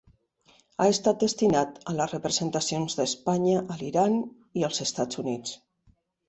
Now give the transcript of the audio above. Ha estat destinat a les representacions d'Espanya a l'Iran i els Estats Units.